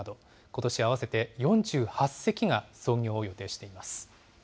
ことしは合わせて４８隻が操業を予定しています。